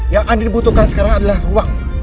yang anda butuhkan sekarang adalah ruang